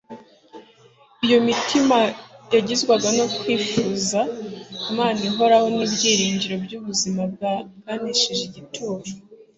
iyo mitima yahagizwaga no kwifuza Imana Ihoraho n'ibyiringiro by'ubuzima bwanesheje igituro.